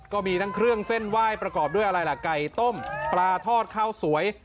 ก็มีทั้งเครื่องเส้นไหว้ประกอบด้วยอะไรล่ะไก่ต้มปลาทอดข้าวสวย